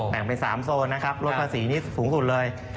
แบ่งเป็น๓โซนรถภาษีนี่สูงสุดเลย